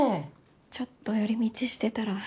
ちょっと寄り道してたら。